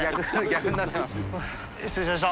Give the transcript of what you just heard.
▲蕁失礼しました。